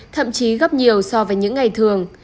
thậm chí gấp nhiều so với những ngày thường